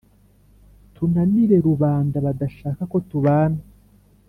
tunanire rubanda badashaka ko tubana